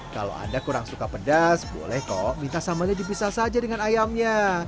kalau anda kurang suka pedas boleh kok minta sambalnya dipisah saja dengan ayamnya